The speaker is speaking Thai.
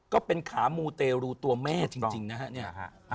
ก็เป็นขามูเตรูตัวแม่จริงนะฮะเนี่ย